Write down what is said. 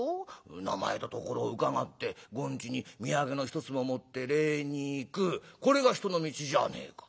名前と所を伺って後日に土産の一つも持って礼に行くこれが人の道じゃあねえか。